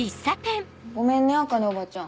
ごめんね茜おばちゃん。